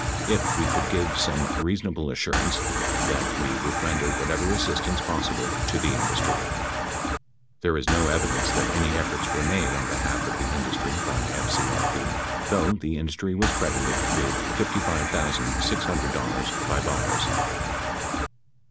if we could give some reasonable assurance that we would render whatever assistance possible to the industry." There is no evidence that any efforts were made on behalf of the industry by FCRP, though the industry was credited with $55,600 by Byers.